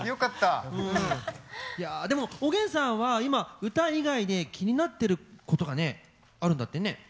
いやでもおげんさんは今歌以外で気になってることがねあるんだってね。